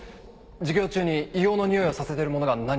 授業中に硫黄のにおいをさせている者が何人かいました。